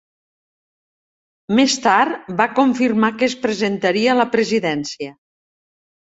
Més tard va confirmar que es presentaria a la presidència.